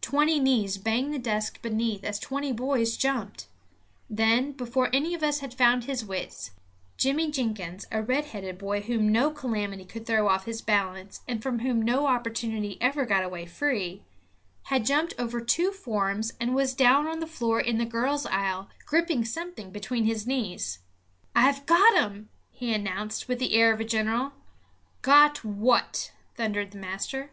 Twenty knees banged the desks beneath as twenty boys jumped. Then, before any of us had found his wits, Jimmy Jenkins, a red headed boy whom no calamity could throw off his balance and from whom no opportunity ever got away free, had jumped over two forms and was down on the floor in the girls' aisle, gripping something between his knees "I've got him," he announced, with the air of a general. "Got what?" thundered the master.